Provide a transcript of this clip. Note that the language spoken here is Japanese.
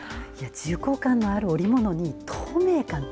重厚感のある織物に、透明感って。